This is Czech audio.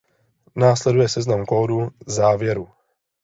Následuje seznam kódů závěru.